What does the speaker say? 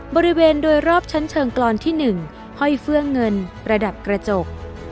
บริเวณโดยรอบชั้นเชิงกรอนที่๑ห้อยเฟื่องเงินประดับกระจก